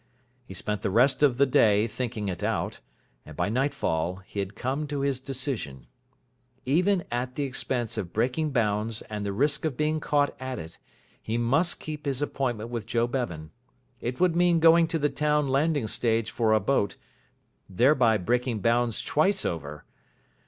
He spent the rest of the day thinking it out, and by nightfall he had come to his decision. Even at the expense of breaking bounds and the risk of being caught at it, he must keep his appointment with Joe Bevan. It would mean going to the town landing stage for a boat, thereby breaking bounds twice over.